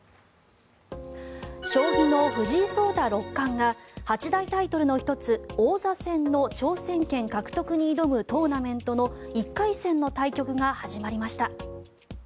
将棋の藤井聡太六冠が八大タイトルの１つ王座戦の挑戦権獲得に挑むトーナメントの１回戦の対局が始まりました。